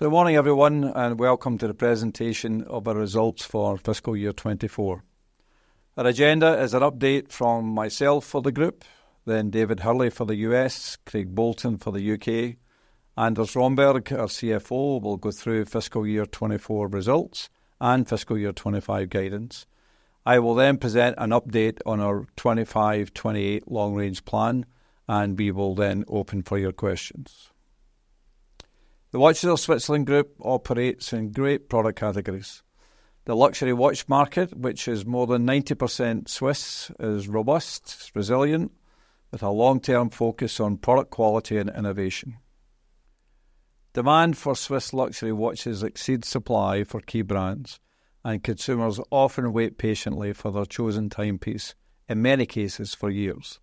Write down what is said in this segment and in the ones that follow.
So good morning, everyone, and welcome to the presentation of our results for fiscal year 2024. Our agenda is an update from myself for the group, then David Hurley for the U.S., Craig Bolton for the U.K. Anders Romberg, our CFO, will go through fiscal year 2024 results and fiscal year 2025 guidance. I will then present an update on our 2025 to 2028 long range plan, and we will then open for your questions. The Watches of Switzerland Group operates in great product categories. The luxury watch market, which is more than 90% Swiss, is robust, it's resilient, with a long-term focus on product quality and innovation. Demand for Swiss luxury watches exceeds supply for key brands, and consumers often wait patiently for their chosen timepiece, in many cases, for years.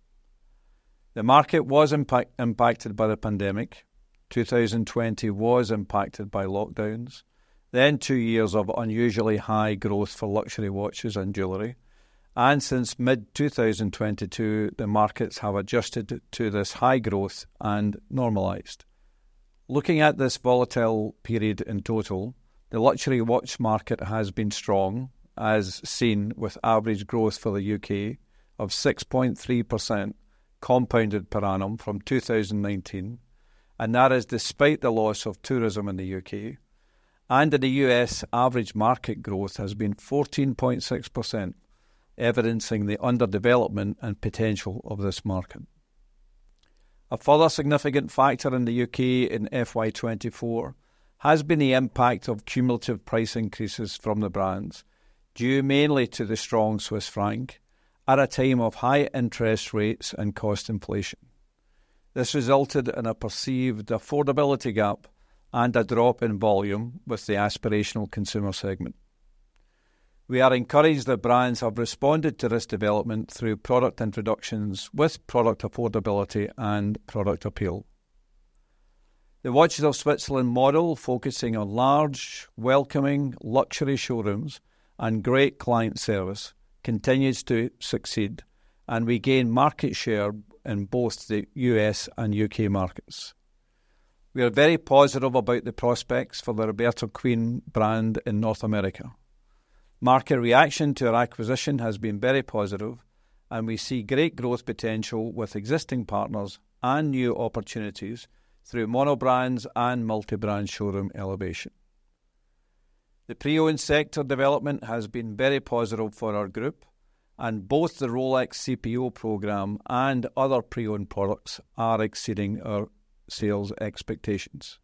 The market was impacted by the pandemic. 2020 was impacted by lockdowns. Then two years of unusually high growth for luxury watches and jewelry, and since mid-2022, the markets have adjusted to this high growth and normalized. Looking at this volatile period in total, the luxury watch market has been strong, as seen with average growth for the U.K. of 6.3% compounded per annum from 2019, and that is despite the loss of tourism in the U.K., and in the U.S., average market growth has been 14.6%, evidencing the underdevelopment and potential of this market. A further significant factor in the U.K. in FY 2024 has been the impact of cumulative price increases from the brands, due mainly to the strong Swiss franc at a time of high interest rates and cost inflation. This resulted in a perceived affordability gap and a drop in volume with the aspirational consumer segment. We are encouraged that brands have responded to this development through product introductions with product affordability and product appeal. The Watches of Switzerland model, focusing on large, welcoming luxury showrooms and great client service, continues to succeed, and we gain market share in both the U.S. and U.K. markets. We are very positive about the prospects for the Roberto Coin brand in North America. Market reaction to our acquisition has been very positive, and we see great growth potential with existing partners and new opportunities through monobrand and multi-brand showroom elevation. The pre-owned sector development has been very positive for our group, and both the Rolex CPO program and other pre-owned products are exceeding our sales expectations.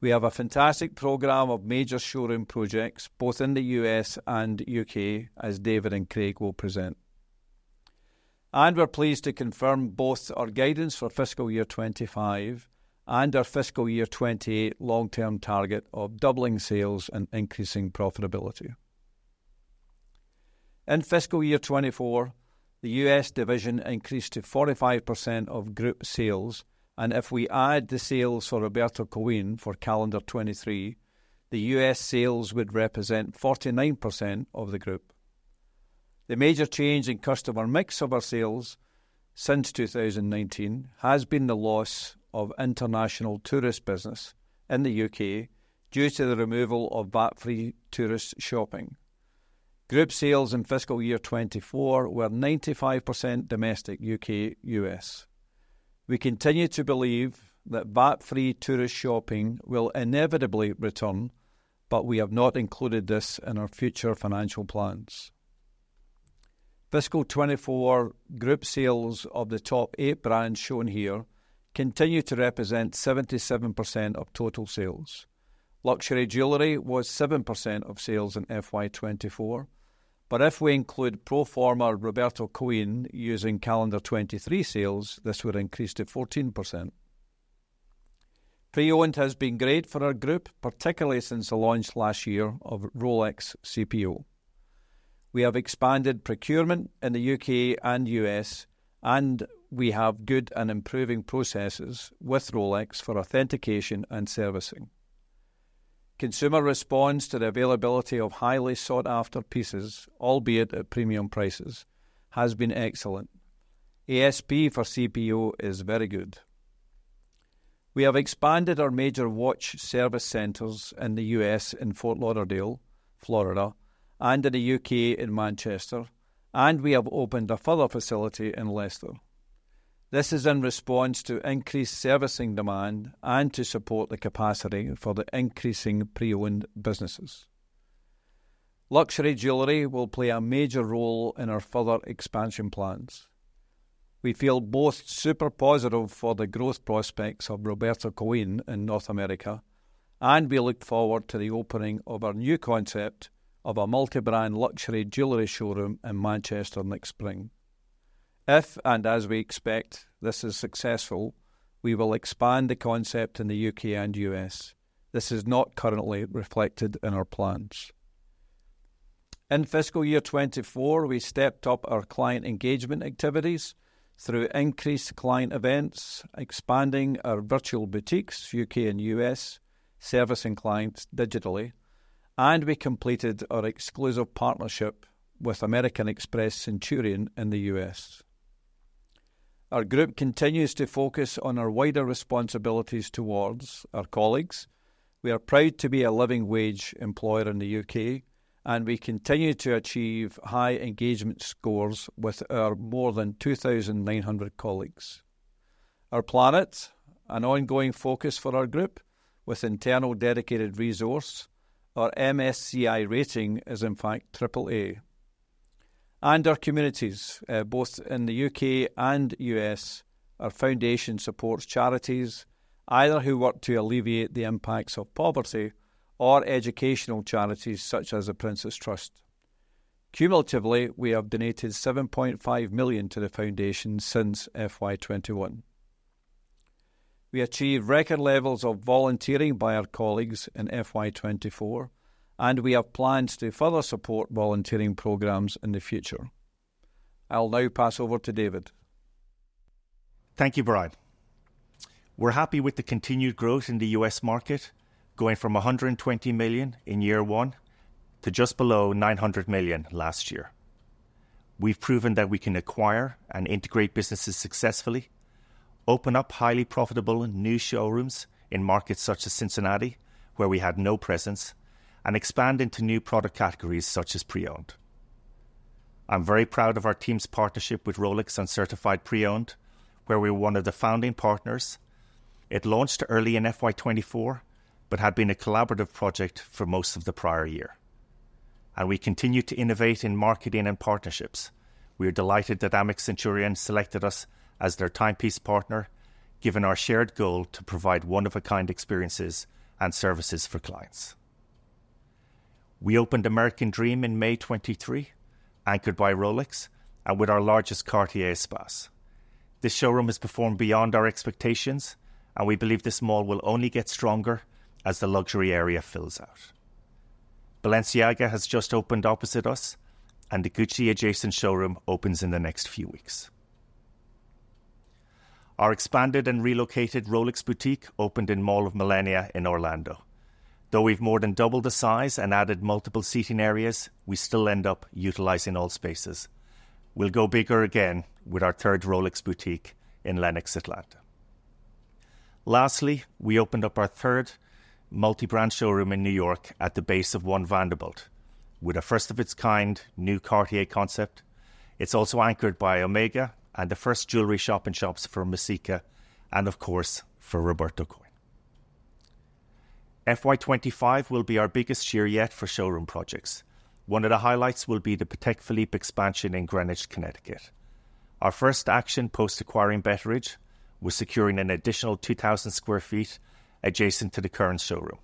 We have a fantastic program of major showroom projects, both in the U.S. and U.K., as David and Craig will present. We're pleased to confirm both our guidance for fiscal year 2025 and our fiscal year 2028 long-term target of doubling sales and increasing profitability. In fiscal year 2024, the U.S. division increased to 45% of group sales, and if we add the sales for Roberto Coin for calendar 2023, the U.S. sales would represent 49% of the group. The major change in customer mix of our sales since 2019 has been the loss of international tourist business in the U.K. due to the removal of VAT-free tourist shopping. Group sales in fiscal year 2024 were 95% domestic, U.K., U.S. We continue to believe that VAT-free tourist shopping will inevitably return, but we have not included this in our future financial plans. Fiscal 2024 group sales of the top eight brands shown here continue to represent 77% of total sales. Luxury jewelry was 7% of sales in FY 2024, but if we include pro forma Roberto Coin using calendar 2023 sales, this would increase to 14%. Pre-owned has been great for our group, particularly since the launch last year of Rolex CPO. We have expanded procurement in the U.K. and U.S., and we have good and improving processes with Rolex for authentication and servicing. Consumer response to the availability of highly sought-after pieces, albeit at premium prices, has been excellent. ASP for CPO is very good. We have expanded our major watch service centers in the U.S. in Fort Lauderdale, Florida, and in the U.K. in Manchester, and we have opened a further facility in Leicester. This is in response to increased servicing demand and to support the capacity for the increasing pre-owned businesses. Luxury jewelry will play a major role in our further expansion plans. We feel both super positive for the growth prospects of Roberto Coin in North America, and we look forward to the opening of our new concept of a multi-brand luxury jewelry showroom in Manchester next spring. If, and as we expect, this is successful, we will expand the concept in the U.K. and U.S. This is not currently reflected in our plans. In fiscal year 2024, we stepped up our client engagement activities through increased client events, expanding our virtual boutiques, U.K. and U.S., servicing clients digitally, and we completed our exclusive partnership with American Express Centurion in the U.S. Our group continues to focus on our wider responsibilities toward our colleagues. We are proud to be a living wage employer in the U.K., and we continue to achieve high engagement scores with our more than 2,900 colleagues. Our planet, an ongoing focus for our group with internal dedicated resource. Our MSCI rating is, in fact, AAA. Our communities, both in the U.K. and U.S., our foundation supports charities either who work to alleviate the impacts of poverty or educational charities, such as The Prince’s Trust. Cumulatively, we have donated 7.5 million to the foundation since FY 2021. We achieved record levels of volunteering by our colleagues in FY 2024, and we have plans to further support volunteering programs in the future. I'll now pass over to David. Thank you, Brian. We're happy with the continued growth in the U.S. market, going from $120 million in year one to just below $900 million last year. We've proven that we can acquire and integrate businesses successfully, open up highly profitable and new showrooms in markets such as Cincinnati, where we had no presence, and expand into new product categories, such as pre-owned. I'm very proud of our team's partnership with Rolex on Certified Pre-Owned, where we were one of the founding partners. It launched early in FY 2024 but had been a collaborative project for most of the prior year, and we continued to innovate in marketing and partnerships. We are delighted that Amex Centurion selected us as their timepiece partner, given our shared goal to provide one-of-a-kind experiences and services for clients. We opened American Dream in May 2023, anchored by Rolex and with our largest Cartier Espace. This showroom has performed beyond our expectations, and we believe this mall will only get stronger as the luxury area fills out. Balenciaga has just opened opposite us, and the Gucci adjacent showroom opens in the next few weeks. Our expanded and relocated Rolex boutique opened in The Mall at Millenia in Orlando. Though we've more than doubled the size and added multiple seating areas, we still end up utilizing all spaces. We'll go bigger again with our third Rolex boutique in Lenox, Atlanta. Lastly, we opened up our third multi-brand showroom in New York at the base of One Vanderbilt with a first-of-its-kind new Cartier concept. It's also anchored by Omega and the first jewelry shop-in-shops for Messika and, of course, for Roberto Coin. FY 2025 will be our biggest year yet for showroom projects. One of the highlights will be the Patek Philippe expansion in Greenwich, Connecticut. Our first action post acquiring Betteridge was securing an additional 2,000 sq ft adjacent to the current showroom.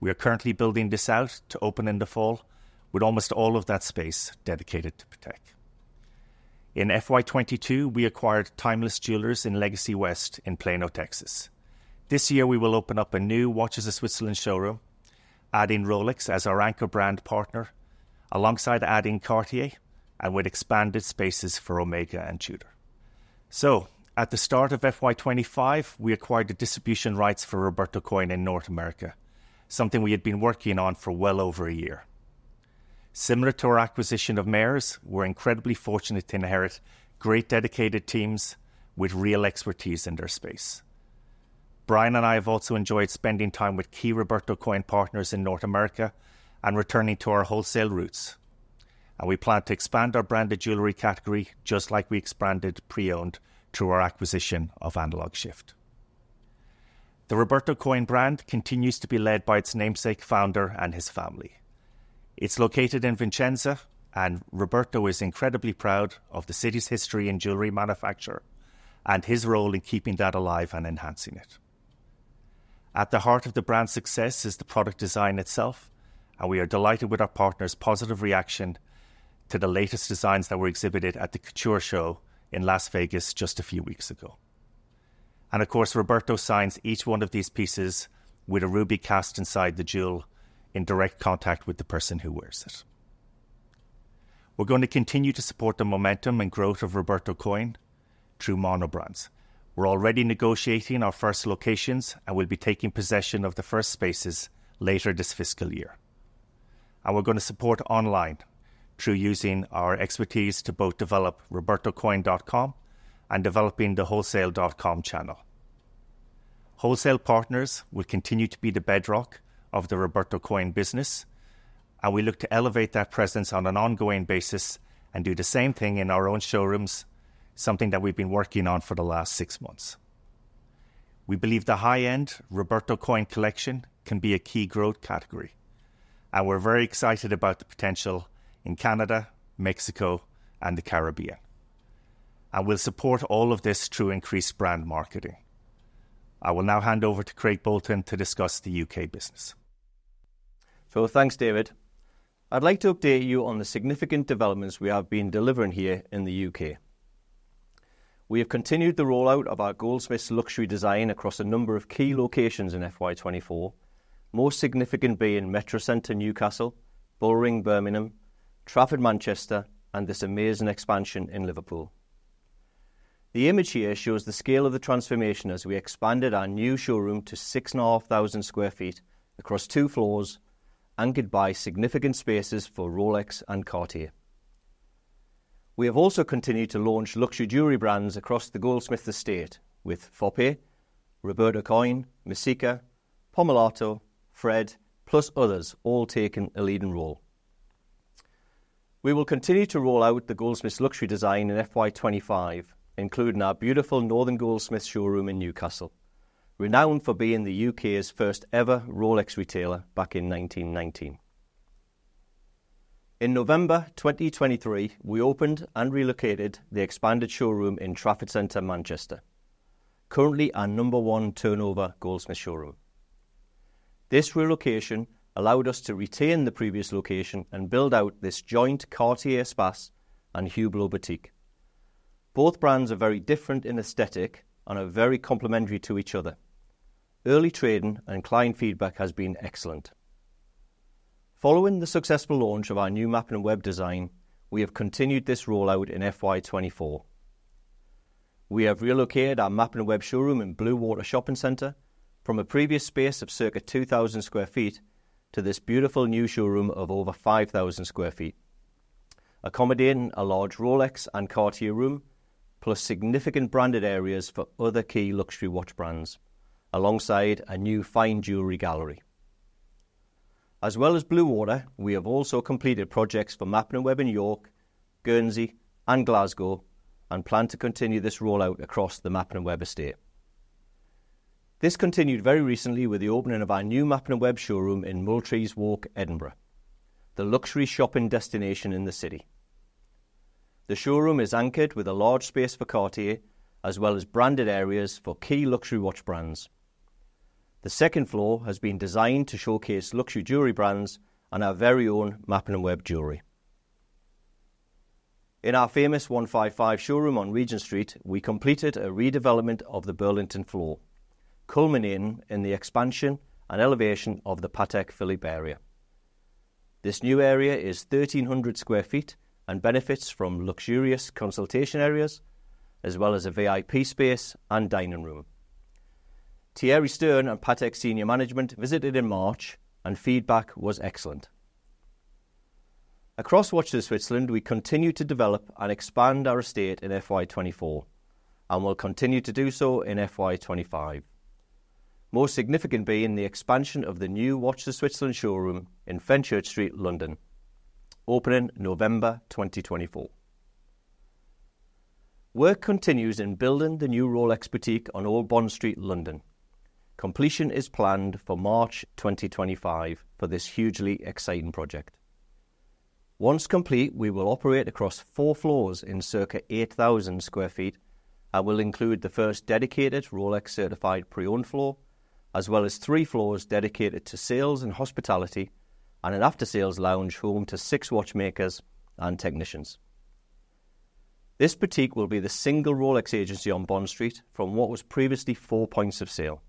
We are currently building this out to open in the fall, with almost all of that space dedicated to Patek. In FY 2022, we acquired Timeless Jewelers in Legacy West in Plano, Texas. This year, we will open up a new Watches of Switzerland showroom, adding Rolex as our anchor brand partner, alongside adding Cartier and with expanded spaces for Omega and Tudor. At the start of FY 2025, we acquired the distribution rights for Roberto Coin in North America, something we had been working on for well over a year. Similar to our acquisition of Mayors, we're incredibly fortunate to inherit great dedicated teams with real expertise in their space. Brian and I have also enjoyed spending time with key Roberto Coin partners in North America and returning to our wholesale roots, and we plan to expand our branded jewelry category, just like we expanded pre-owned through our acquisition of Analog Shift. The Roberto Coin brand continues to be led by its namesake founder and his family. It's located in Vicenza, and Roberto is incredibly proud of the city's history in jewelry manufacture and his role in keeping that alive and enhancing it. At the heart of the brand's success is the product design itself, and we are delighted with our partners' positive reaction to the latest designs that were exhibited at the Couture show in Las Vegas just a few weeks ago. Of course, Roberto signs each one of these pieces with a ruby cast inside the jewel in direct contact with the person who wears it. We're going to continue to support the momentum and growth of Roberto Coin through mono brands. We're already negotiating our first locations, and we'll be taking possession of the first spaces later this fiscal year. We're gonna support online through using our expertise to both develop robertocoin.com and developing the wholesale.com channel. Wholesale partners will continue to be the bedrock of the Roberto Coin business, and we look to elevate that presence on an ongoing basis and do the same thing in our own showrooms, something that we've been working on for the last six months. We believe the high-end Roberto Coin collection can be a key growth category, and we're very excited about the potential in Canada, Mexico, and the Caribbean, and we'll support all of this through increased brand marketing. I will now hand over to Craig Bolton to discuss the U.K. business. Thanks, David. I'd like to update you on the significant developments we have been delivering here in the U.K. We have continued the rollout of our Goldsmiths luxury design across a number of key locations in FY 2024, most significant being Metrocentre, Newcastle, Bullring, Birmingham, Trafford, Manchester, and this amazing expansion in Liverpool. The image here shows the scale of the transformation as we expanded our new showroom to 6,500 sq ft across two floors- Anchored by significant spaces for Rolex and Cartier. We have also continued to launch luxury jewelry brands across the Goldsmiths estate, with FOPE, Roberto Coin, Messika, Pomellato, FRED, plus others all taking a leading role. We will continue to roll out the Goldsmiths luxury design in FY 2025, including our beautiful Northern Goldsmiths showroom in Newcastle, renowned for being the U.K.'s first-ever Rolex retailer back in 1919. In November 2023, we opened and relocated the expanded showroom in Trafford Centre, Manchester, currently our number one turnover Goldsmiths showroom. This relocation allowed us to retain the previous location and build out this joint Cartier Espace and Hublot boutique. Both brands are very different in aesthetic and are very complementary to each other. Early trading and client feedback has been excellent. Following the successful launch of our new Mappin & Webb design, we have continued this rollout in FY 2024. We have relocated our Mappin & Webb showroom in Bluewater Shopping Centre from a previous space of circa 2,000 sq ft to this beautiful new showroom of over 5,000 sq ft, accommodating a large Rolex and Cartier room, plus significant branded areas for other key luxury watch brands, alongside a new fine jewelry gallery. As well as Bluewater, we have also completed projects for Mappin & Webb in York, Guernsey, and Glasgow, and plan to continue this rollout across the Mappin & Webb estate. This continued very recently with the opening of our new Mappin & Webb showroom in Multrees Walk, Edinburgh, the luxury shopping destination in the city. The showroom is anchored with a large space for Cartier, as well as branded areas for key luxury watch brands. The second floor has been designed to showcase luxury jewelry brands and our very own Mappin & Webb jewelry. In our famous 155 showroom on Regent Street, we completed a redevelopment of the Burlington floor, culminating in the expansion and elevation of the Patek Philippe area. This new area is 1,300 sq ft and benefits from luxurious consultation areas, as well as a VIP space and dining room. Thierry Stern and Patek senior management visited in March, and feedback was excellent. Across Watches of Switzerland, we continued to develop and expand our estate in FY 2024, and will continue to do so in FY 2025, most significantly being the expansion of the new Watches of Switzerland showroom in Fenchurch Street, London, opening November 2024. Work continues in building the new Rolex boutique on Old Bond Street, London. Completion is planned for March 2025 for this hugely exciting project. Once complete, we will operate across 4 floors in circa 8,000 sq ft and will include the first dedicated Rolex Certified Pre-Owned floor, as well as 3 floors dedicated to sales and hospitality, and an after-sales lounge home to 6 watchmakers and technicians. This boutique will be the single Rolex agency on Bond Street from what was previously 4 points of sale.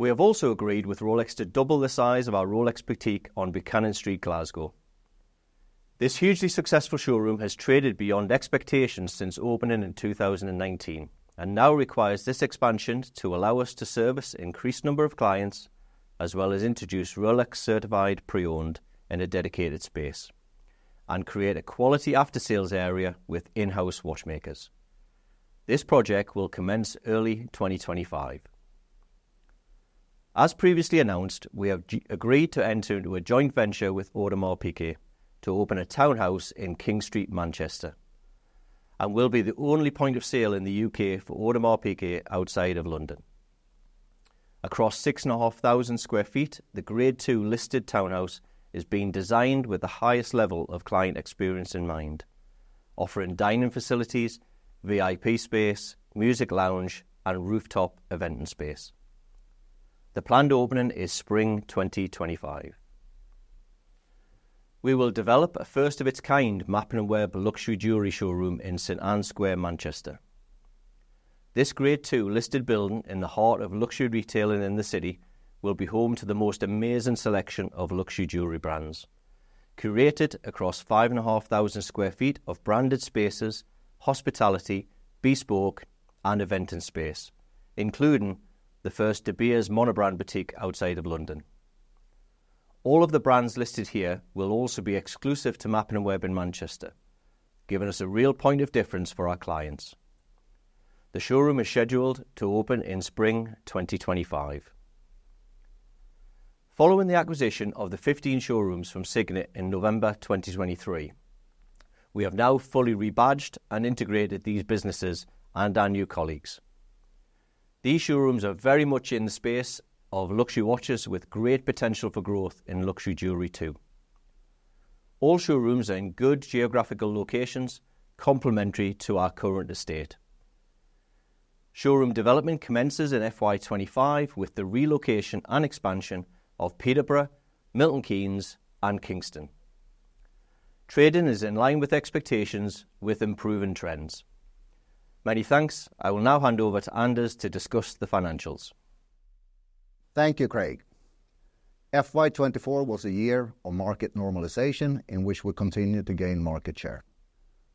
We have also agreed with Rolex to double the size of our Rolex boutique on Buchanan Street, Glasgow. This hugely successful showroom has traded beyond expectations since opening in 2019, and now requires this expansion to allow us to service increased number of clients, as well as introduce Rolex Certified Pre-Owned in a dedicated space and create a quality after-sales area with in-house watchmakers. This project will commence early 2025. As previously announced, we have agreed to enter into a joint venture with Audemars Piguet to open a townhouse in King Street, Manchester, and will be the only point of sale in the U.K. for Audemars Piguet outside of London. Across 6,500 sq ft, the Grade II-listed townhouse is being designed with the highest level of client experience in mind, offering dining facilities, VIP space, music lounge, and rooftop event and space. The planned opening is spring 2025. We will develop a first-of-its-kind Mappin & Webb luxury jewelry showroom in St Anne's Square, Manchester. This Grade II-listed building in the heart of luxury retailing in the city will be home to the most amazing selection of luxury jewelry brands, curated across 5,500 sq ft of branded spaces, hospitality, bespoke, and event and space, including the first De Beers monobrand boutique outside of London. All of the brands listed here will also be exclusive to Mappin & Webb in Manchester, giving us a real point of difference for our clients. The showroom is scheduled to open in spring 2025. Following the acquisition of the 15 showrooms from Signet in November 2023, we have now fully rebadged and integrated these businesses and our new colleagues. These showrooms are very much in the space of luxury watches with great potential for growth in luxury jewelry, too. All showrooms are in good geographical locations, complementary to our current estate. Showroom development commences in FY 2025, with the relocation and expansion of Peterborough, Milton Keynes, and Kingston. Trading is in line with expectations, with improving trends. Many thanks. I will now hand over to Anders to discuss the financials. Thank you, Craig. FY 2024 was a year of market normalization in which we continued to gain market share....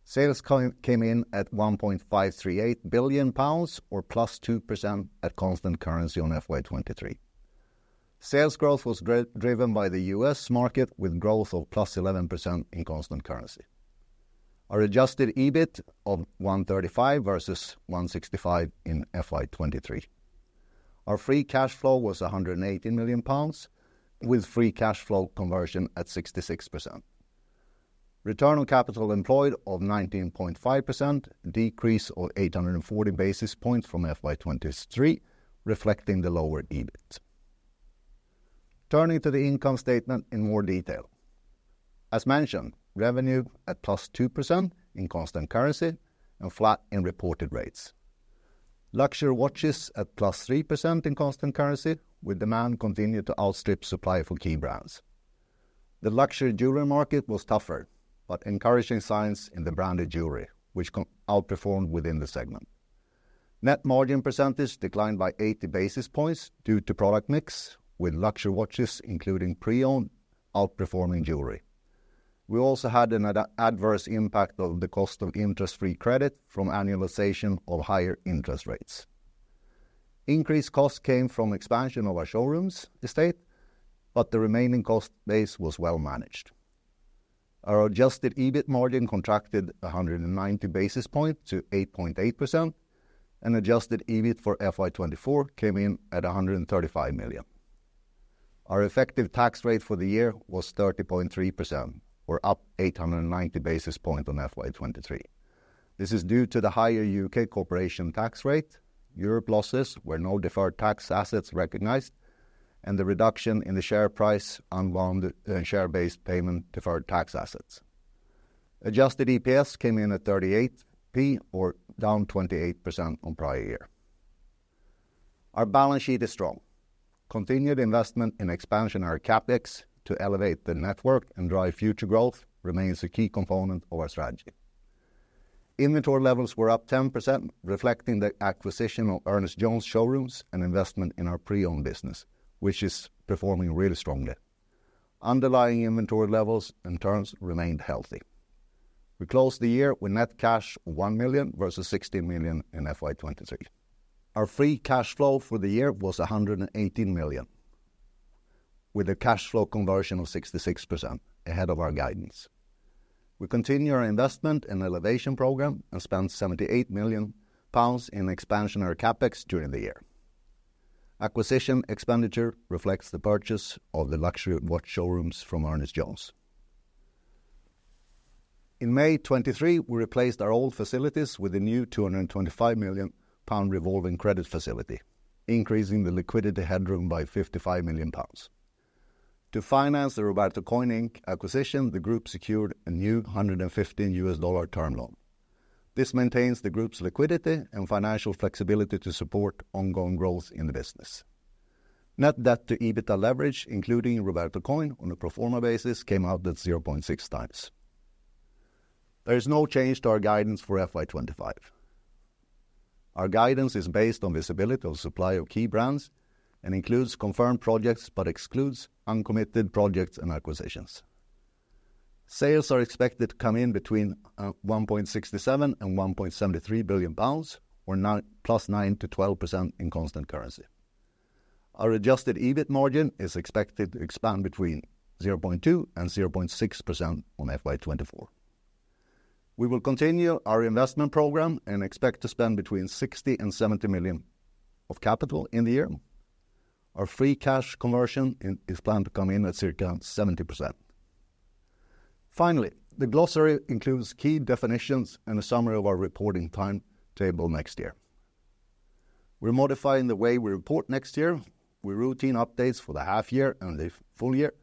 Sales came in at 1.538 billion pounds, or +2% at constant currency on FY 2023. Sales growth was driven by the U.S. market, with growth of +11% in constant currency. Our adjusted EBIT of 135 million versus 165 million in FY 2023. Our free cash flow was 118 million pounds, with free cash flow conversion at 66%. Return on capital employed of 19.5%, decrease of 840 basis points from FY 2023, reflecting the lower EBIT. Turning to the income statement in more detail. As mentioned, revenue at +2% in constant currency and flat in reported rates. Luxury watches at +3% in constant currency, with demand continued to outstrip supply for key brands. The luxury jewelry market was tougher, but encouraging signs in the branded jewelry, which outperformed within the segment. Net margin percentage declined by 80 basis points due to product mix, with luxury watches, including pre-owned, outperforming jewelry. We also had an adverse impact of the cost of interest-free credit from annualization of higher interest rates. Increased costs came from expansion of our showrooms estate, but the remaining cost base was well managed. Our adjusted EBIT margin contracted 190 basis points to 8.8%, and adjusted EBIT for FY 2024 came in at 135 million. Our effective tax rate for the year was 30.3%, or up 890 basis points on FY 2023. This is due to the higher U.K. corporation tax rate, Europe losses, where no deferred tax assets recognized, and the reduction in the share price on bond share-based payment deferred tax assets. Adjusted EPS came in at 38p, or down 28% on prior year. Our balance sheet is strong. Continued investment in expansionary CapEx to elevate the network and drive future growth remains a key component of our strategy. Inventory levels were up 10%, reflecting the acquisition of Ernest Jones showrooms and investment in our pre-owned business, which is performing really strongly. Underlying inventory levels and turns remained healthy. We closed the year with net cash 1 million, versus 60 million in FY 2023. Our free cash flow for the year was 118 million, with a cash flow conversion of 66%, ahead of our guidance. We continue our investment in elevation program and spent 78 million pounds in expansionary CapEx during the year. Acquisition expenditure reflects the purchase of the luxury watch showrooms from Ernest Jones. In May 2023, we replaced our old facilities with a new 225 million pound revolving credit facility, increasing the liquidity headroom by 55 million pounds. To finance the Roberto Coin Inc. acquisition, the group secured a new $115 million term loan. This maintains the group's liquidity and financial flexibility to support ongoing growth in the business. Net debt to EBITDA leverage, including Roberto Coin, on a pro forma basis, came out at 0.6x. There is no change to our guidance for FY 2025. Our guidance is based on visibility of supply of key brands and includes confirmed projects, but excludes uncommitted projects and acquisitions. Sales are expected to come in between 1.67 and 1.73 billion pounds, or +9% to 12% in constant currency. Our adjusted EBIT margin is expected to expand 0.2%-0.6% on FY 2024. We will continue our investment program and expect to spend 60 million-70 million of capital in the year. Our free cash conversion is planned to come in at circa 70%. Finally, the glossary includes key definitions and a summary of our reporting timetable next year. We're modifying the way we report next year, with routine updates for the half year and the full year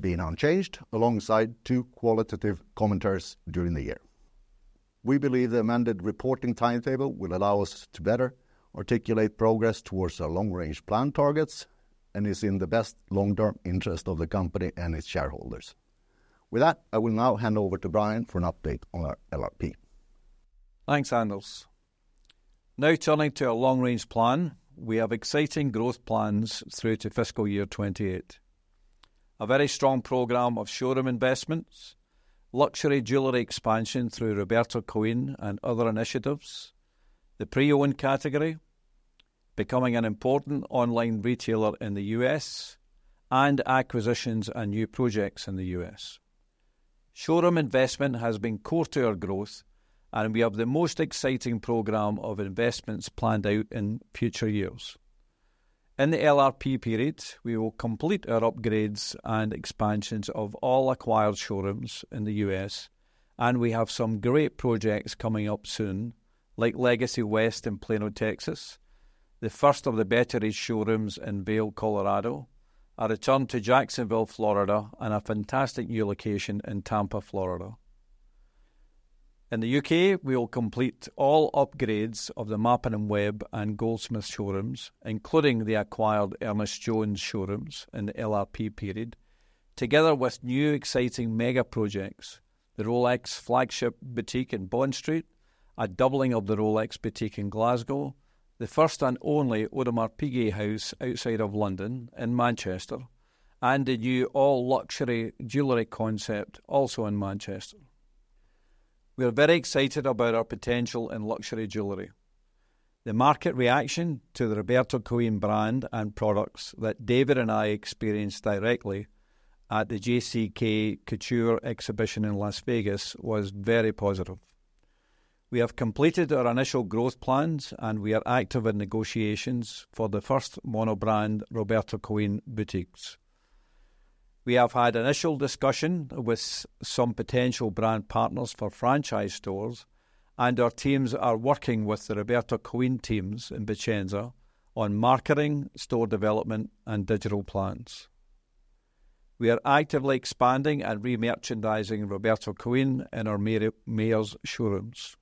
being unchanged, alongside two qualitative commentaries during the year. We believe the amended reporting timetable will allow us to better articulate progress towards our Long Range Plan targets and is in the best long-term interest of the company and its shareholders. With that, I will now hand over to Brian for an update on our LRP. Thanks, Anders. Now turning to our long-range plan, we have exciting growth plans through to fiscal year 2028. A very strong program of showroom investments, luxury jewelry expansion through Roberto Coin and other initiatives, the pre-owned category, becoming an important online retailer in the U.S., and acquisitions and new projects in the U.S. Showroom investment has been core to our growth, and we have the most exciting program of investments planned out in future years. In the LRP period, we will complete our upgrades and expansions of all acquired showrooms in the U.S., and we have some great projects coming up soon, like Legacy West in Plano, Texas, the first of the Betteridge showrooms in Vail, Colorado, a return to Jacksonville, Florida, and a fantastic new location in Tampa, Florida. In the U.K., we will complete all upgrades of the Mappin & Webb and Goldsmiths showrooms, including the acquired Ernest Jones showrooms in the LRP period, together with new exciting mega projects, the Rolex flagship boutique in Bond Street, a doubling of the Rolex boutique in Glasgow, the first and only Audemars Piguet House outside of London in Manchester... and a new all-luxury jewelry concept, also in Manchester. We are very excited about our potential in luxury jewelry. The market reaction to the Roberto Coin brand and products that David and I experienced directly at the Couture Exhibition in Las Vegas was very positive. We have completed our initial growth plans, and we are active in negotiations for the first monobrand Roberto Coin boutiques. We have had initial discussion with some potential brand partners for franchise stores, and our teams are working with the Roberto Coin teams in Vicenza on marketing, store development, and digital plans. We are actively expanding and re-merchandising Roberto Coin in our Mayors showrooms.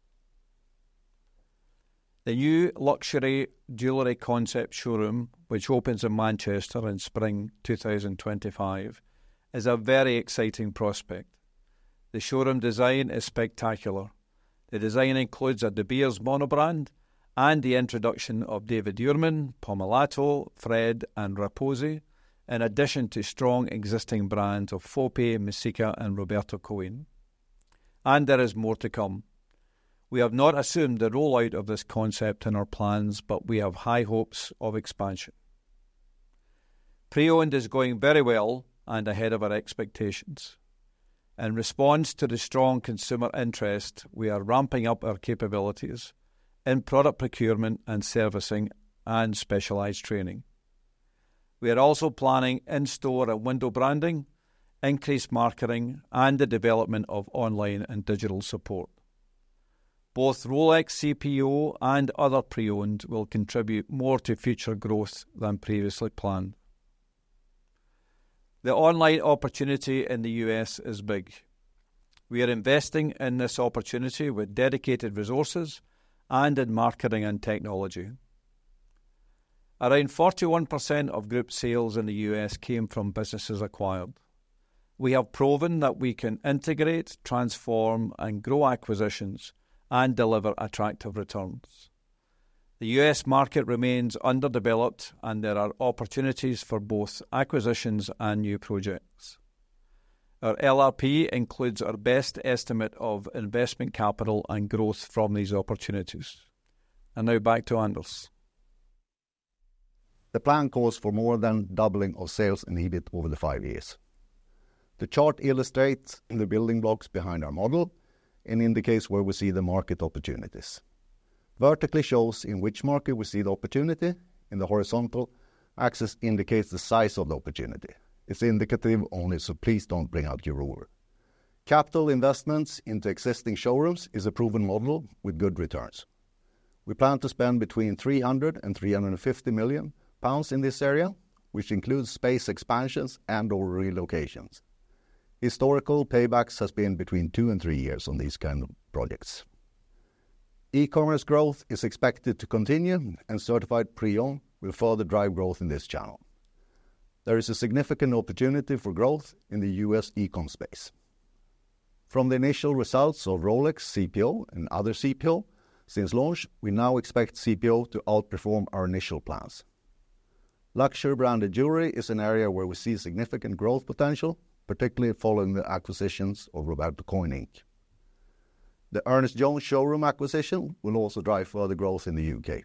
The new luxury jewelry concept showroom, which opens in Manchester in spring 2025, is a very exciting prospect. The showroom design is spectacular. The design includes a De Beers monobrand and the introduction of David Yurman, Pomellato, FRED, and Repossi, in addition to strong existing brands of FOPE, Messika, and Roberto Coin, and there is more to come. We have not assumed the rollout of this concept in our plans, but we have high hopes of expansion. Pre-owned is going very well and ahead of our expectations. In response to the strong consumer interest, we are ramping up our capabilities in product procurement and servicing and specialized training. We are also planning in-store and window branding, increased marketing, and the development of online and digital support. Both Rolex CPO and other pre-owned will contribute more to future growth than previously planned. The online opportunity in the U.S. is big. We are investing in this opportunity with dedicated resources and in marketing and technology. Around 41% of group sales in the U.S. came from businesses acquired. We have proven that we can integrate, transform, and grow acquisitions and deliver attractive returns. The U.S. market remains underdeveloped, and there are opportunities for both acquisitions and new projects. Our LRP includes our best estimate of investment capital and growth from these opportunities. Now back to Anders. The plan calls for more than doubling of sales and EBIT over the five years. The chart illustrates the building blocks behind our model and indicates where we see the market opportunities. Vertically shows in which market we see the opportunity, in the horizontal axis indicates the size of the opportunity. It's indicative only, so please don't bring out your ruler. Capital investments into existing showrooms is a proven model with good returns. We plan to spend between 300 million pounds and 350 million pounds in this area, which includes space expansions and/or relocations. Historical paybacks has been between two and three years on these kind of projects. E-commerce growth is expected to continue, and certified pre-owned will further drive growth in this channel. There is a significant opportunity for growth in the U.S. e-com space. From the initial results of Rolex CPO and other CPO since launch, we now expect CPO to outperform our initial plans. Luxury branded jewelry is an area where we see significant growth potential, particularly following the acquisitions of Roberto Coin Inc. The Ernest Jones showroom acquisition will also drive further growth in the U.K.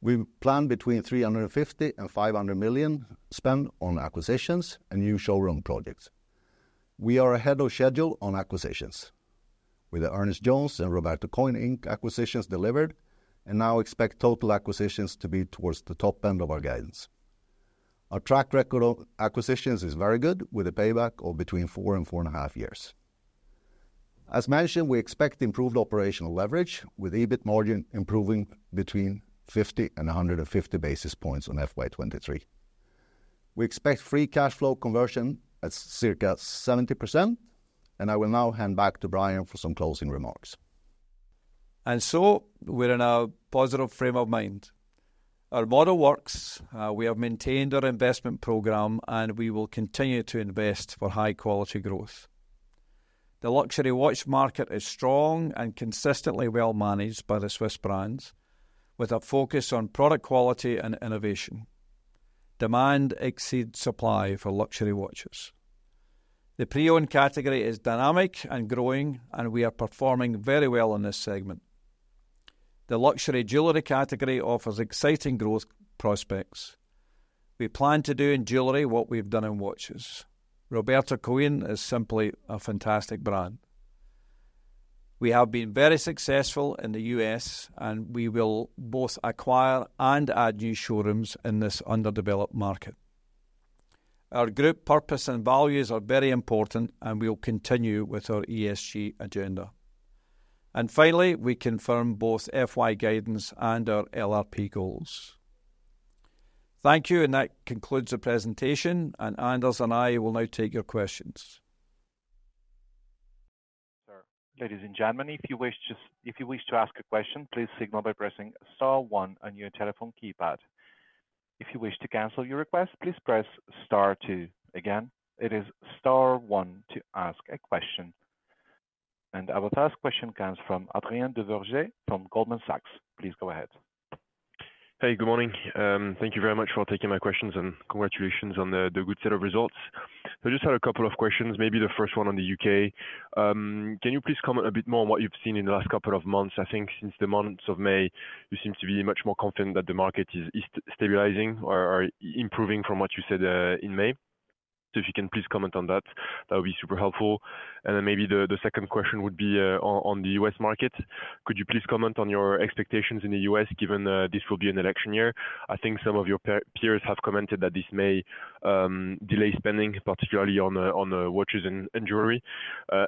We plan between 350 million and 500 million spend on acquisitions and new showroom projects. We are ahead of schedule on acquisitions, with the Ernest Jones and Roberto Coin Inc. acquisitions delivered, and now expect total acquisitions to be towards the top end of our guidance. Our track record on acquisitions is very good, with a payback of between 4 and 4.5 years. As mentioned, we expect improved operational leverage, with EBIT margin improving between 50 and 150 basis points on FY 2023. We expect free cash flow conversion at circa 70%, and I will now hand back to Brian for some closing remarks. We're in a positive frame of mind. Our model works, we have maintained our investment program, and we will continue to invest for high-quality growth. The luxury watch market is strong and consistently well-managed by the Swiss brands, with a focus on product quality and innovation. Demand exceeds supply for luxury watches. The pre-owned category is dynamic and growing, and we are performing very well in this segment. The luxury jewelry category offers exciting growth prospects. We plan to do in jewelry what we've done in watches. Roberto Coin is simply a fantastic brand. We have been very successful in the U.S., and we will both acquire and add new showrooms in this underdeveloped market. Our group purpose and values are very important, and we will continue with our ESG agenda. Finally, we confirm both FY guidance and our LRP goals. Thank you, and that concludes the presentation, and Anders and I will now take your questions. Ladies and gentlemen, if you wish to ask a question, please signal by pressing star one on your telephone keypad. If you wish to cancel your request, please press star two. Again, it is star one to ask a question... And our first question comes from Adrien Duverger from Goldman Sachs. Please go ahead. Hey, good morning. Thank you very much for taking my questions, and congratulations on the good set of results. I just had a couple of questions, maybe the first one on the U.K. Can you please comment a bit more on what you've seen in the last couple of months? I think since the months of May, you seem to be much more confident that the market is stabilizing or improving from what you said in May. So if you can please comment on that, that would be super helpful. And then maybe the second question would be on the U.S. market. Could you please comment on your expectations in the U.S., given this will be an election year? I think some of your peers have commented that this may delay spending, particularly on watches and jewelry.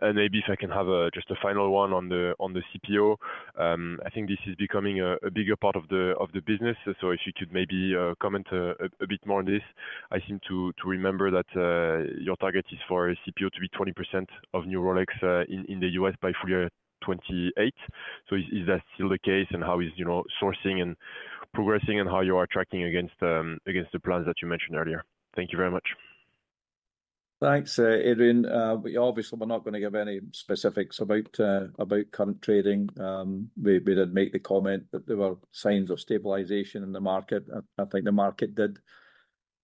Maybe if I can have just a final one on the CPO. I think this is becoming a bigger part of the business, so if you could maybe comment a bit more on this. I seem to remember that your target is for CPO to be 20% of new Rolex in the U.S. by full year 2028. So is that still the case, and how is, you know, sourcing and progressing, and how you are tracking against the plans that you mentioned earlier? Thank you very much. Thanks, Adrien. We obviously were not going to give any specifics about current trading. We did make the comment that there were signs of stabilization in the market. I think the market did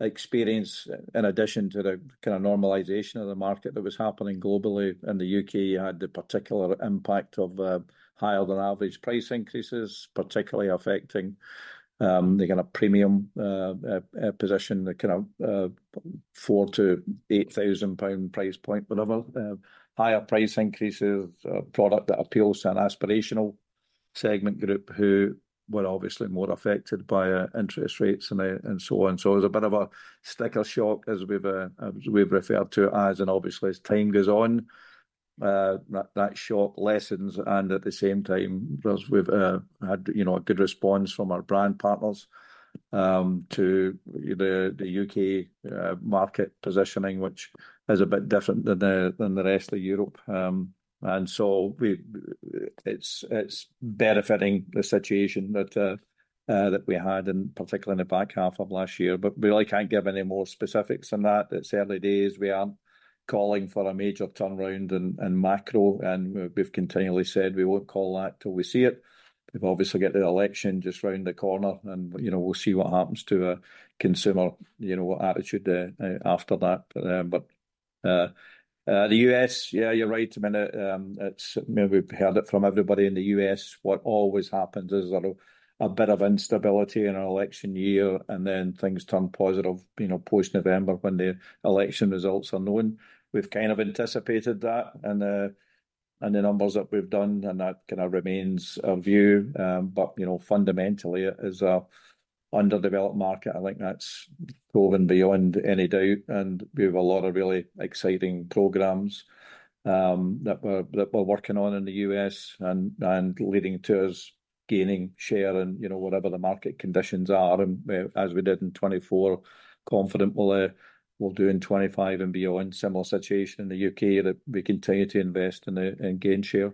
experience, in addition to the kind of normalization of the market that was happening globally, and the U.K. had the particular impact of higher than average price increases, particularly affecting the kind of premium position, the kind of 4,000-8,000 pound price point, whatever. Higher price increases product that appeals to an aspirational segment group, who were obviously more affected by interest rates and so on. So it was a bit of a sticker shock, as we've, as we've referred to it as, and obviously as time goes on, that, that shock lessens, and at the same time, because we've, had, you know, a good response from our brand partners, to the, the U.K., market positioning, which is a bit different than the, than the rest of Europe. And so we- it's, it's benefiting the situation that, that we had, and particularly in the back half of last year. But we really can't give any more specifics than that. It's early days. We aren't calling for a major turnaround in, in macro, and we've, we've continually said we won't call that till we see it. We've obviously got the election just around the corner and, you know, we'll see what happens to consumer, you know, attitude after that. But the U.S., yeah, you're right. I mean, we've heard it from everybody in the U.S., what always happens is sort of a bit of instability in an election year, and then things turn positive, you know, post-November, when the election results are known. We've kind of anticipated that, and the numbers that we've done, and that kind of remains our view. But, you know, fundamentally, it is a underdeveloped market. I think that's proven beyond any doubt, and we have a lot of really exciting programs that we're working on in the U.S. and leading to us gaining share and, you know, whatever the market conditions are, and as we did in 2024, confident we'll do in 2025 and beyond. Similar situation in the U.K., that we continue to invest and gain share.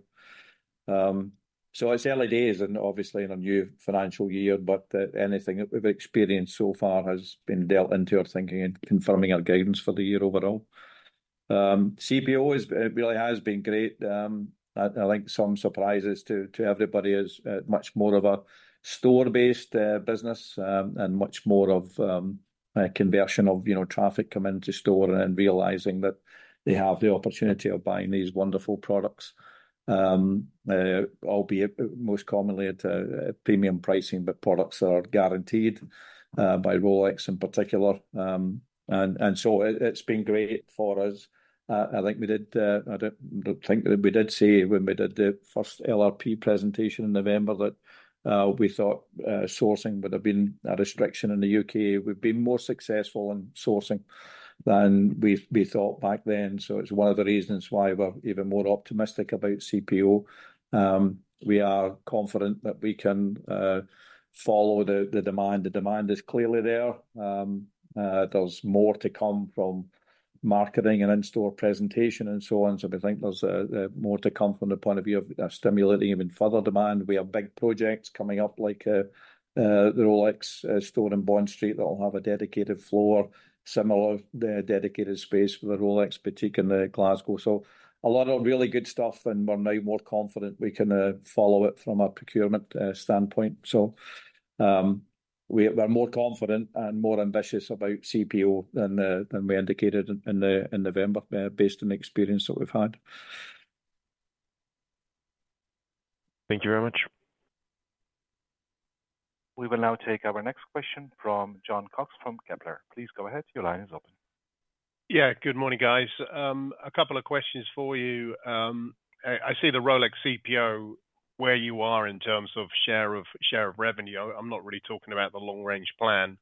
So it's early days and obviously in a new financial year, but anything that we've experienced so far has been dealt into our thinking and confirming our guidance for the year overall. CPO is. It really has been great. I think some surprises to everybody is much more of a store-based business and much more of a conversion of, you know, traffic coming to store and then realizing that they have the opportunity of buying these wonderful products. Albeit most commonly at a premium pricing, but products are guaranteed by Rolex in particular. And so it's been great for us. I think we did... I don't think that we did say when we did the first LRP presentation in November, that we thought sourcing would have been a restriction in the U.K. We've been more successful in sourcing than we thought back then, so it's one of the reasons why we're even more optimistic about CPO. We are confident that we can follow the demand. The demand is clearly there. There's more to come from marketing and in-store presentation and so on, so we think there's more to come from the point of view of stimulating even further demand. We have big projects coming up, like the Rolex store in Bond Street, that will have a dedicated floor, similar to the dedicated space for the Rolex boutique in Glasgow. So a lot of really good stuff, and we're now more confident we can follow it from a procurement standpoint. So, we're more confident and more ambitious about CPO than we indicated in November, based on the experience that we've had. Thank you very much. We will now take our next question from John Cox from Kepler. Please go ahead. Your line is open. Yeah. Good morning, guys. A couple of questions for you. I see the Rolex CPO, where you are in terms of share of, share of revenue. I'm not really talking about the long-range plan.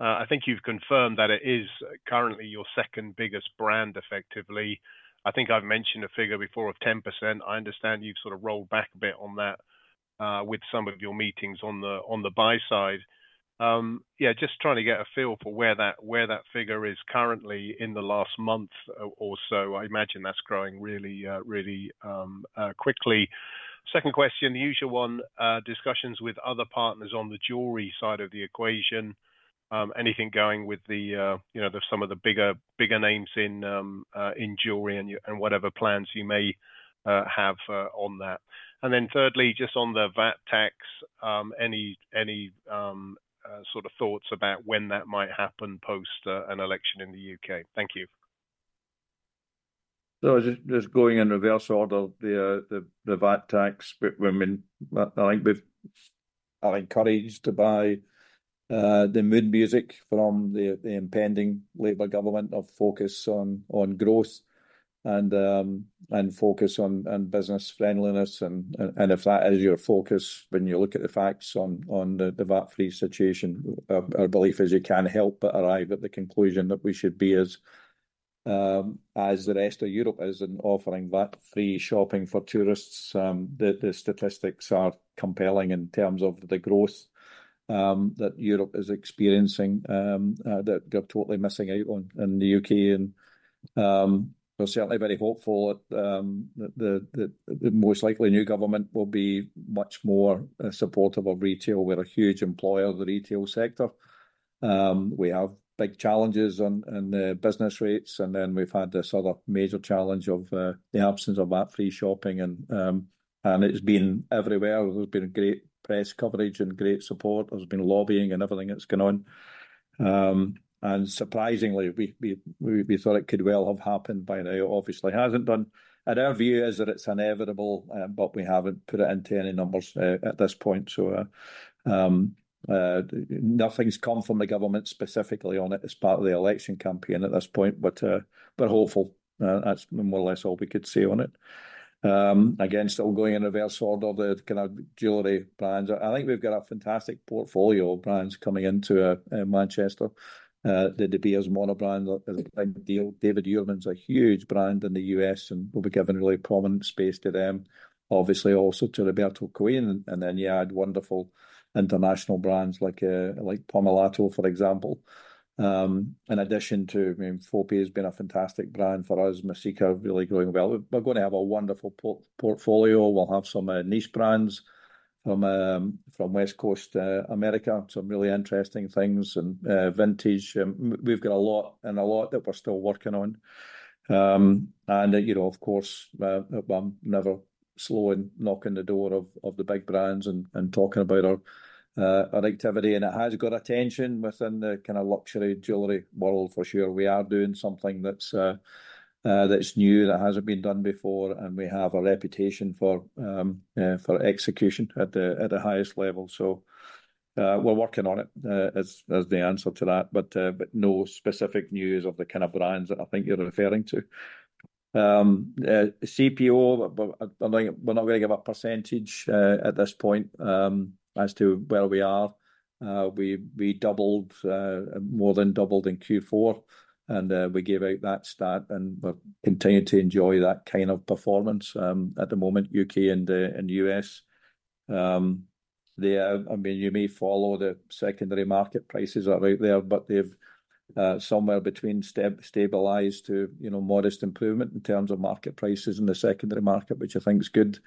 I think you've confirmed that it is currently your second biggest brand, effectively. I think I've mentioned a figure before of 10%. I understand you've sort of rolled back a bit on that, with some of your meetings on the, on the buy side. Yeah, just trying to get a feel for where that, where that figure is currently in the last month, or so. I imagine that's growing really, really, quickly.... Second question, the usual one, discussions with other partners on the jewelry side of the equation. Anything going with, you know, some of the bigger names in jewelry and whatever plans you may have on that? And then thirdly, just on the VAT tax, any sort of thoughts about when that might happen post an election in the U.K.? Thank you. So just going in reverse order, the VAT tax, we, I mean, I think we are encouraged by the mood music from the impending Labour government of focus on growth and focus on business friendliness. And if that is your focus when you look at the facts on the VAT-free situation, our belief is you can't help but arrive at the conclusion that we should be as the rest of Europe is in offering VAT-free shopping for tourists. The statistics are compelling in terms of the growth that Europe is experiencing that they're totally missing out on in the U.K. And we're certainly very hopeful that the most likely new government will be much more supportive of retail. We're a huge employer of the retail sector. We have big challenges in the business rates, and then we've had this other major challenge of the absence of VAT-free shopping, and it's been everywhere. There's been great press coverage and great support. There's been lobbying and everything that's gone on. And surprisingly, we thought it could well have happened by now. It obviously hasn't done, and our view is that it's inevitable, but we haven't put it into any numbers at this point. So, nothing's come from the government specifically on it as part of the election campaign at this point, but hopeful. That's more or less all we could say on it. Again, still going in reverse order, the kind of jewelry brands. I think we've got a fantastic portfolio of brands coming into Manchester. The De Beers monobrand is a big deal. David Yurman's a huge brand in the U.S., and we'll be giving really prominent space to them. Obviously, also to Roberto Coin, and then you add wonderful international brands like, like Pomellato, for example. In addition to, I mean, Fope has been a fantastic brand for us. Messika, really growing well. We're going to have a wonderful portfolio. We'll have some niche brands from West Coast America, some really interesting things and vintage. We've got a lot, and a lot that we're still working on. And, you know, of course, I'm never slow in knocking the door of, of the big brands and, and talking about our, our activity, and it has got attention within the kind of luxury jewelry world for sure. We are doing something that's new, that hasn't been done before, and we have a reputation for execution at the highest level. So, we're working on it, as the answer to that, but no specific news of the kind of brands that I think you're referring to. CPO, but I'm not, we're not going to give a percentage at this point as to where we are. We doubled, more than doubled in Q4, and we gave out that stat, and we're continuing to enjoy that kind of performance at the moment, U.K. and U.S. I mean, you may follow the secondary market prices that are out there, but they've somewhere between stabilized to, you know, modest improvement in terms of market prices in the secondary market, which I think is good.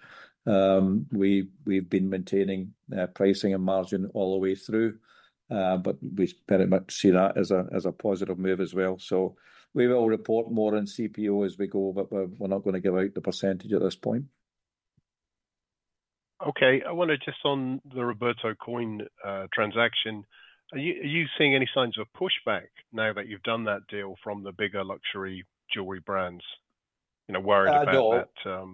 We've been maintaining pricing and margin all the way through, but we very much see that as a positive move as well. So we will report more on CPO as we go, but we're not going to give out the percentage at this point. Okay. I wonder, just on the Roberto Coin transaction, are you seeing any signs of pushback now that you've done that deal from the bigger luxury jewelry brands, you know, worried about that?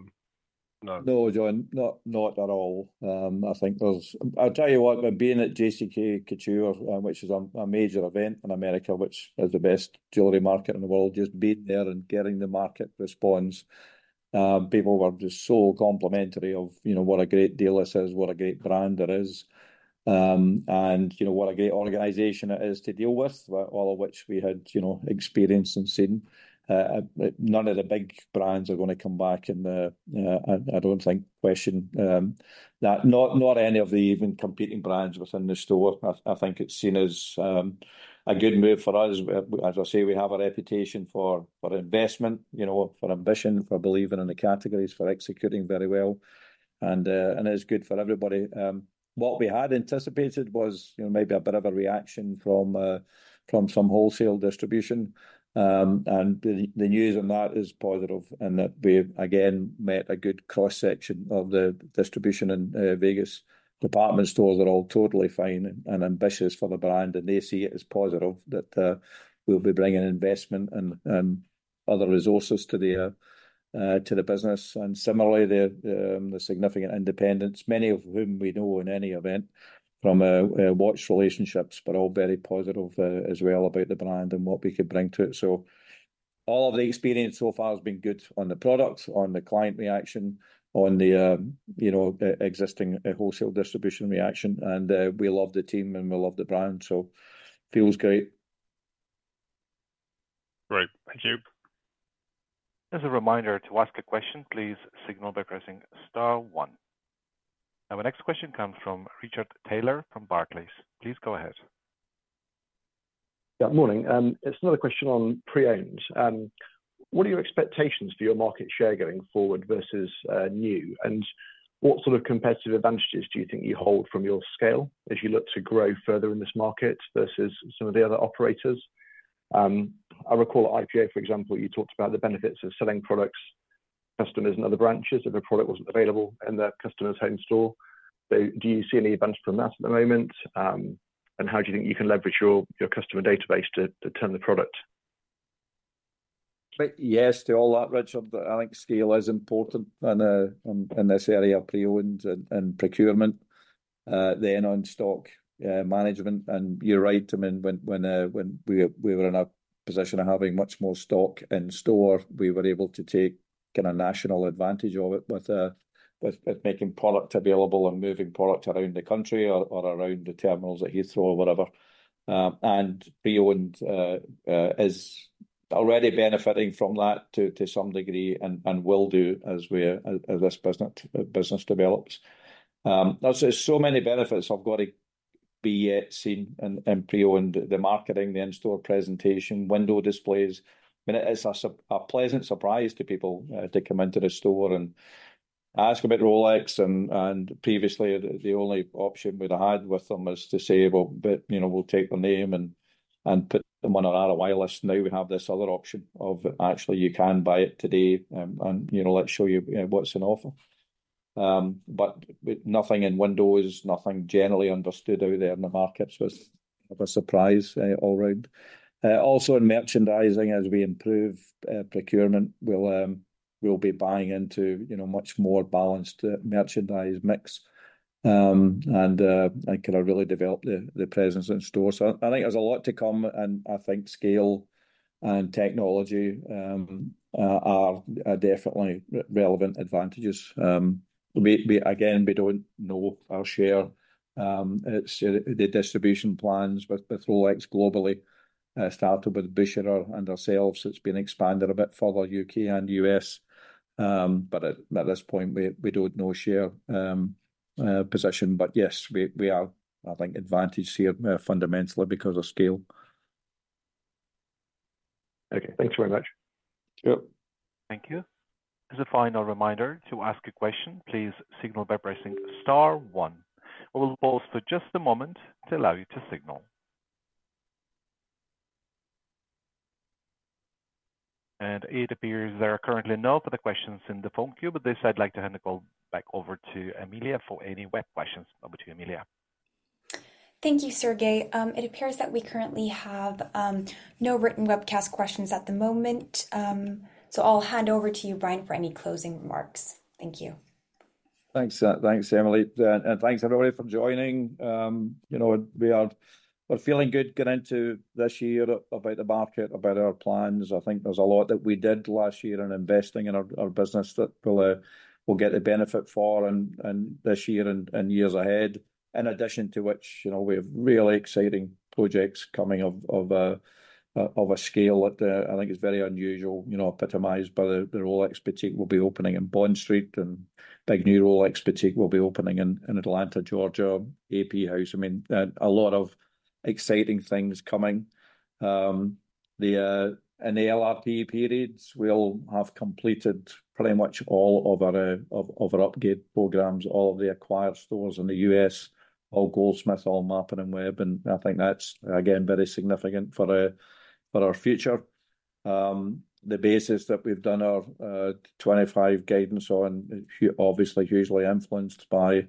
Uh, no. No? No, John, not, not at all. I think there's... I'll tell you what, being at JCK/Couture, which is a major event in America, which is the best jewelry market in the world, just being there and getting the market response, people were just so complimentary of, you know, what a great deal this is, what a great brand it is, and you know, what a great organization it is to deal with, all of which we had, you know, experienced and seen. None of the big brands are gonna come back in the, I don't think, question, that not any of the even competing brands within the store. I think it's seen as a good move for us. As I say, we have a reputation for investment, you know, for ambition, for believing in the categories, for executing very well, and it's good for everybody. What we had anticipated was, you know, maybe a bit of a reaction from some wholesale distribution, and the news on that is positive, in that we've again met a good cross-section of the distribution in Vegas. Department stores are all totally fine and ambitious for the brand, and they see it as positive that we'll be bringing investment and other resources to the business. And similarly, the significant independents, many of whom we know in any event from watch relationships, but all very positive as well about the brand and what we could bring to it. So all of the experience so far has been good on the product, on the client reaction, on the, you know, existing wholesale distribution reaction, and we love the team and we love the brand, so feels great. Great. Thank you. As a reminder, to ask a question, please signal by pressing star one. Our next question comes from Richard Taylor from Barclays. Please go ahead. Yeah, morning. It's another question on pre-owned. What are your expectations for your market share going forward versus new? And what sort of competitive advantages do you think you hold from your scale as you look to grow further in this market versus some of the other operators? I recall at IPO, for example, you talked about the benefits of selling products, customers in other branches if a product wasn't available in the customer's home store. So do you see any advantage from that at the moment? And how do you think you can leverage your customer database to turn the product? Yes, to all that, Richard. I think scale is important in this area of pre-owned and procurement, then on stock management. And you're right, I mean, when we were in a position of having much more stock in store, we were able to take kind of national advantage of it with making product available and moving product around the country or around the terminals at Heathrow or whatever. And pre-owned is already benefiting from that to some degree, and will do as this business develops. There's so many benefits have got to be yet seen in pre-owned, the marketing, the in-store presentation, window displays. I mean, it is a surprise to people to come into the store and ask about Rolex, and previously, the only option we'd had with them is to say, "Well, but, you know, we'll take their name and put them on our ROI list." Now we have this other option of actually you can buy it today, and, you know, let's show you what's on offer. But nothing in windows, nothing generally understood out there in the market, so it's of a surprise all round. Also in merchandising, as we improve procurement, we'll be buying into, you know, much more balanced merchandise mix. And kind of really develop the presence in store. So I think there's a lot to come, and I think scale and technology are definitely relevant advantages. Again, we don't know our share, it's the distribution plans with Rolex globally started with Bucherer and ourselves. It's been expanded a bit further, U.K. and U.S., but at this point, we don't know share position. But yes, we are, I think, advantaged here fundamentally because of scale. Okay. Thanks very much. Sure. Thank you. As a final reminder, to ask a question, please signal by pressing star one. I will pause for just a moment to allow you to signal. It appears there are currently no further questions in the phone queue. With this, I'd like to hand the call back over to Amelia for any web questions. Over to you, Amelia. Thank you, Sergei. It appears that we currently have no written webcast questions at the moment. I'll hand over to you, Brian, for any closing remarks. Thank you. Thanks, thanks, Emily. And thanks, everybody, for joining. You know, we are, we're feeling good going into this year about the market, about our plans. I think there's a lot that we did last year in investing in our, our business that we'll, we'll get the benefit for in, in this year and, and years ahead. In addition to which, you know, we have really exciting projects coming of, of, of a scale that, I think is very unusual, you know, epitomized by the, the Rolex boutique we'll be opening in Bond Street, and big new Rolex boutique we'll be opening in, in Atlanta, Georgia, AP House. I mean, a lot of exciting things coming. In the LRP periods, we'll have completed pretty much all of our upgrade programs, all of the acquired stores in the U.S., all Goldsmiths, all Mappin and Webb, and I think that's, again, very significant for our future. The basis that we've done our 2025 guidance on obviously hugely influenced by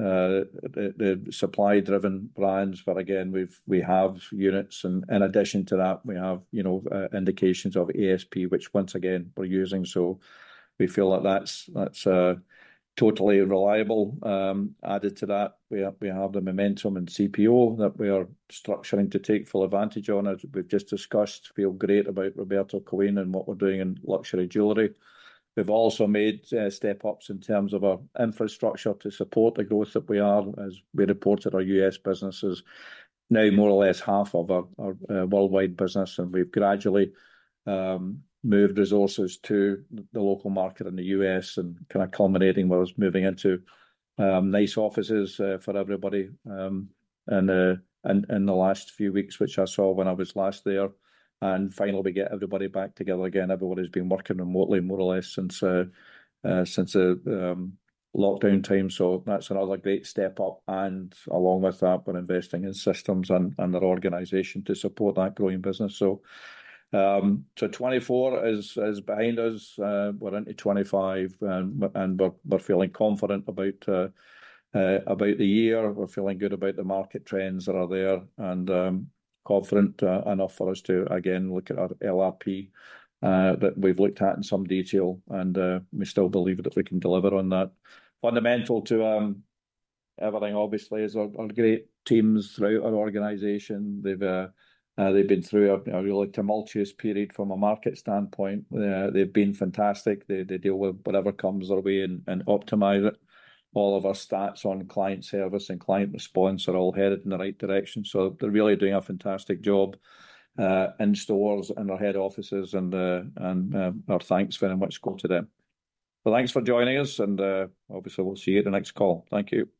the supply-driven brands. But again, we have units, and in addition to that, we have, you know, indications of ASP, which once again, we're using. So we feel like that's totally reliable. Added to that, we have the momentum in CPO that we are structuring to take full advantage on, as we've just discussed, feel great about Roberto Coin and what we're doing in luxury jewelry. We've also made step-ups in terms of our infrastructure to support the growth that we are. As we reported, our U.S. business is now more or less half of our worldwide business, and we've gradually moved resources to the local market in the U.S. and kind of culminating with us moving into nice offices for everybody in the last few weeks, which I saw when I was last there. And finally, we get everybody back together again. Everybody's been working remotely, more or less, since the lockdown time, so that's another great step up, and along with that, we're investing in systems and the organization to support that growing business. So '24 is behind us, we're into '25, and we're feeling confident about the year. We're feeling good about the market trends that are there and confident enough for us to again look at our LRP that we've looked at in some detail, and we still believe that we can deliver on that. Fundamental to everything, obviously, is our great teams throughout our organization. They've been through a really tumultuous period from a market standpoint. They've been fantastic. They deal with whatever comes their way and optimize it. All of our stats on client service and client response are all headed in the right direction, so they're really doing a fantastic job in stores and our head offices, and our thanks very much go to them. So thanks for joining us, and obviously, we'll see you at the next call. Thank you.